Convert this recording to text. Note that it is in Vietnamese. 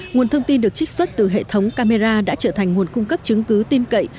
nguồn thông tin được trích xuất từ hệ thống camera đã trở thành nguồn cung cấp chứng cứ tin cậy